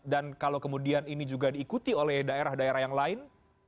dan kalau kemudian ini juga diikuti oleh daerah daerah yang lain